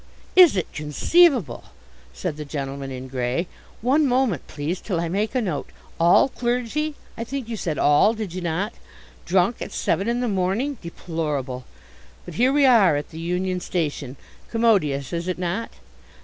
"Is it conceivable!" said the gentleman in grey. "One moment, please, till I make a note. 'All clergy I think you said all, did you not? drunk at seven in the morning.' Deplorable! But here we are at the Union Station commodious, is it not?